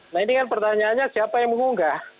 nah ini kan pertanyaannya siapa yang mengunggah